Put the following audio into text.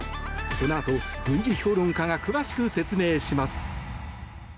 このあと軍事評論家が詳しく説明します。